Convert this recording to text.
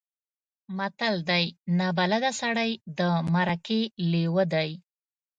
متل دی: نابلده سړی د مرکې لېوه دی.